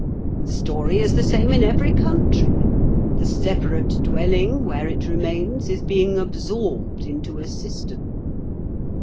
The story is the same in every country. The separate dwelling, where it remains, is being absorbed into a system.